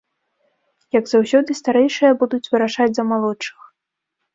Як заўсёды, старэйшыя будуць вырашаць за малодшых.